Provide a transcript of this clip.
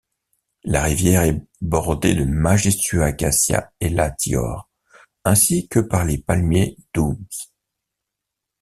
La rivière est bordée de majestueux acacias elatior ainsi que par les palmiers dooms.